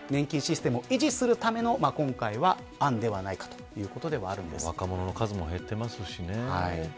年金システムを維持するための今回は案ではないかと若者の数も減ってますしね。